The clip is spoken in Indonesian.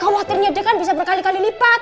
khawatirnya dia kan bisa berkali kali lipat